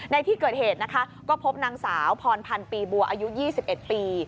ในที่เกิดเหตุนะคะก็พบนางสาวพรพันธ์ปีบัวอายุ๒๑ปี